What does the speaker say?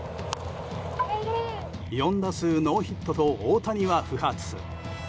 ４打数ノーヒットと大谷は不発。